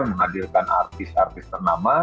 menghadirkan artis artis ternama